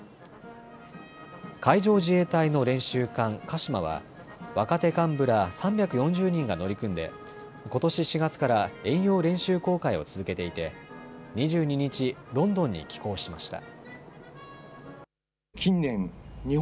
海上自衛隊の練習艦かしまは若手幹部ら３４０人が乗り組んでことし４月から遠洋練習航海を続けていて２２日、ロンドンに寄港しました。